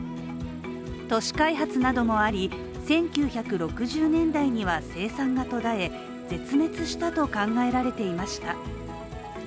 都市開発などもあり１９６０年代には生産が途絶え絶滅したと考えられていました。